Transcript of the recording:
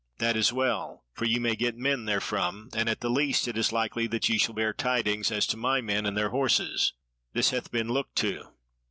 "That is well; for ye may get men therefrom, and at the least it is like that ye shall hear tidings: as to my men and their horses, this hath been looked to.